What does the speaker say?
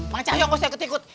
mak cahyo gak usah ketikut